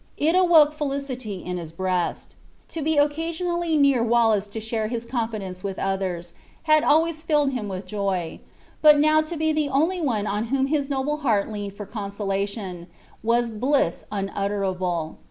It awoke felicity in his breast. To be occasionally near Wallace to share his confidence with others, had always filled him with joy, but now to be the only one on whom his noble heart leaned for consolation, was bliss unutterable.